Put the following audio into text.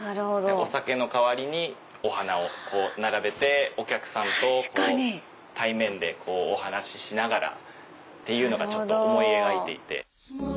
お酒の代わりにお花を並べてお客さんと対面でお話ししながらっていうのが思い描いていて。